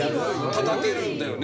たたけるんだよね？